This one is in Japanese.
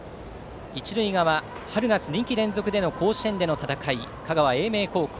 一塁側、春夏２季連続での甲子園出場、英明高校。